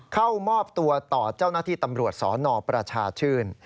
เข้ามอบตัวต่อเจ้าหน้าที่ตำรวจสนประชาชื่น